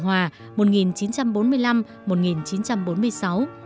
hòa một nghìn chín trăm bốn mươi năm một nghìn chín trăm bốn mươi sáu